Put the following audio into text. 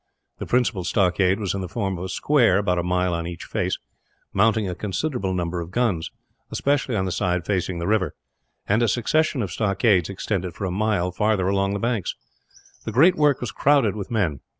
The principal stockade was in the form of a square, about a mile on each face, mounting a considerable number of guns especially on the side facing the river; and a succession of stockades extended for a mile farther along the banks. The great work was crowded with men.